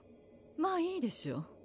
まぁいいでしょう